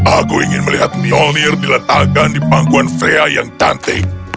aku ingin melihat mionir diletakkan di pangkuan frea yang cantik